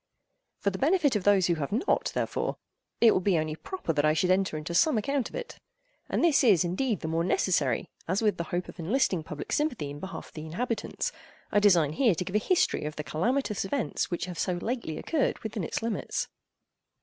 For the benefit of those who have not, therefore, it will be only proper that I should enter into some account of it. And this is indeed the more necessary, as with the hope of enlisting public sympathy in behalf of the inhabitants, I design here to give a history of the calamitous events which have so lately occurred within its limits.